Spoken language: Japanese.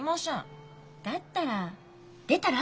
だったら出たら？